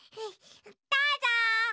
どうぞ！